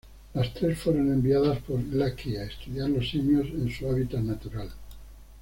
Las tres fueron enviadas por Leakey a estudiar los simios en su hábitat natural.